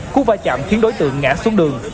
cú vãi chạm khiến đối tượng ngã xuống đường